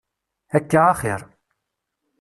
Akka axiṛ.